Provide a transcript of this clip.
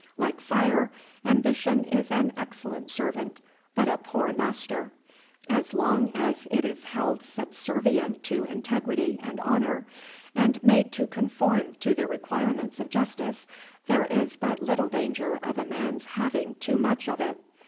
Like fire, ambition is an excellent servant, but a poor master. As long as it is held subservient to integrity and honor, and made to conform to the requirements of justice, there is but little danger of a man's having too much of it.